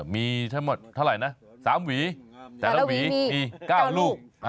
มีทั้งหมดเท่าไหร่นะ๓หวีแต่ละหวีมี๙ลูก